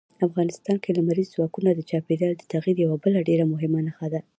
افغانستان کې لمریز ځواک د چاپېریال د تغیر یوه بله ډېره مهمه نښه ده.